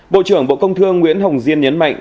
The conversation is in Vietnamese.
bộ trưởng bộ công thương nguyễn hồng diên nhấn mạnh